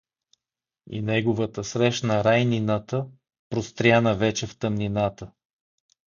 И неговата срещна Райнината, простряна вече в тъмнината.